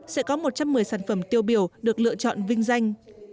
sẽ có một trăm một mươi sản phẩm tiêu biểu được lựa chọn vinh danh